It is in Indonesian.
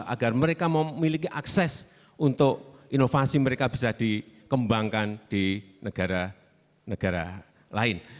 agar mereka memiliki akses untuk inovasi mereka bisa dikembangkan di negara negara lain